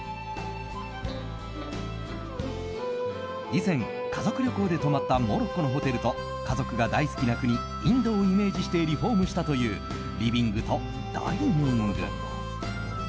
以前、家族旅行で泊まったモロッコのホテルと家族が大好きな国インドをイメージしてリフォームしたというリビングとダイニング。